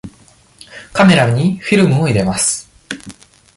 カメラにフィルムを入れます。